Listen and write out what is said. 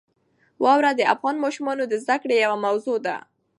واوره د افغان ماشومانو د زده کړې یوه موضوع ده.